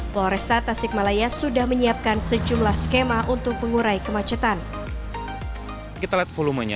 polresta tasikmalaya sudah menyiapkan sejumlah skema untuk mengurai kemacetan kita lihat volumenya